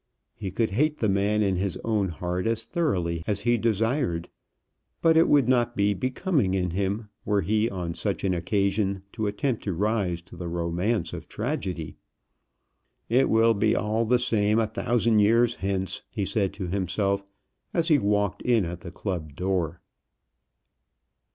He could hate the man in his own heart as thoroughly as he desired. But it would not be becoming in him, were he on such an occasion to attempt to rise to the romance of tragedy. "It will be all the same a thousand years hence," he said to himself as he walked in at the club door.